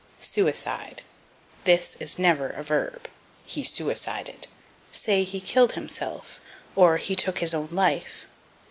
Suicide. This is never a verb. "He suicided." Say, He killed himself, or He took his own life.